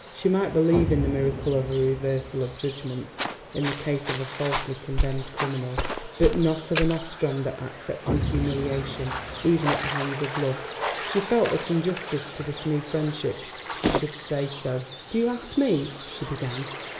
She might believe in the miracle of a reversal of judgment in the case of a falsely condemned criminal, but not of an Ostrander accepting humiliation, even at the hands of Love. She felt that in justice to this new friendship she should say so. "Do you ask me?" she began.